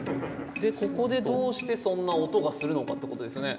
でここでどうしてそんな音がするのかってことですよね。